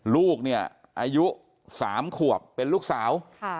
ลูกเนี่ยอายุ๓ขวบเป็นลูกสาว